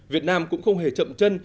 việt nam cũng không hề chậm chân